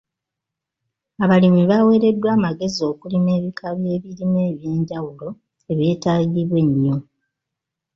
Abalimi baweereddwa amagezi okulima ebika by'ebirime eby'enjawulo ebyetaagibwa ennyo.